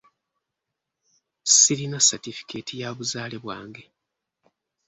Sirina satifikeeti ya buzaale bwange.